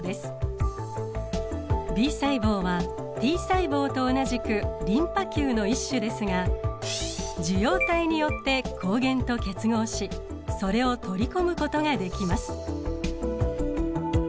Ｂ細胞はＴ細胞と同じくリンパ球の一種ですが受容体によって抗原と結合しそれを取り込むことができます。